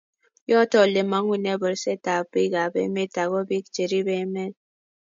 yoto ole mangunee borsetab biikap emet ago biik cheribe emet